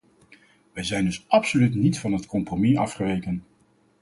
Wij zijn dus absoluut niet van het compromis afgeweken!